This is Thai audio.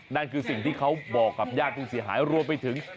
นั่นคือสิ่งที่เขาบอกกับญาติผู้เสียหายรวมไปถึง